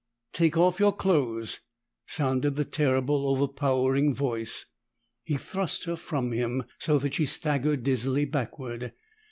"Take off your clothes!" sounded the terrible, overpowering voice. He thrust her from him, so that she staggered dizzily backward.